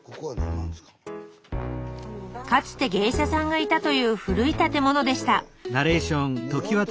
かつて芸者さんがいたという古い建物でした。